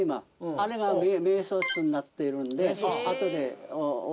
あれが瞑想室になってるんであとで。